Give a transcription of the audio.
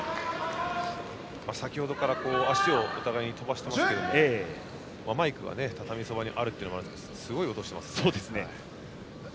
先程から足をお互いに飛ばしていますけれどもマイクが畳のそばにあるということもあってすごい音がしていますね。